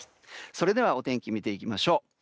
それではお天気見ていきましょう。